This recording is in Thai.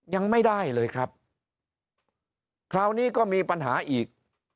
ยังไม่ได้เลยครับคราวนี้ก็มีปัญหาอีก